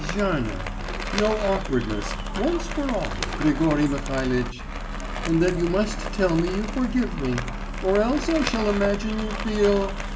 gêne, no awkwardness, once for all, Grigory Mihalitch; and that you must tell me you forgive me, or else I shall imagine you feel